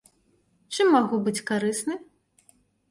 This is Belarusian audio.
Чым магу быць карысны?